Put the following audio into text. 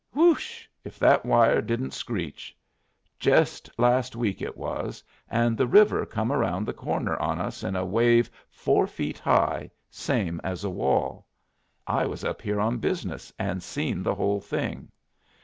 Whoosh, if that wire didn't screech! Jest last week it was, and the river come round the corner on us in a wave four feet high, same as a wall. I was up here on business, and seen the whole thing.